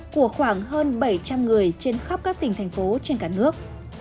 của khoảng hơn bảy trăm linh người trên khắp các tỉnh thành phố trên cả nước